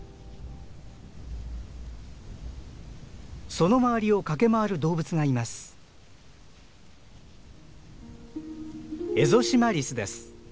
その周りを駆け回る動物がいます。